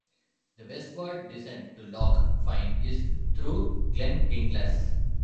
The westward descent to Loch Fyne is through Glen Kinglas.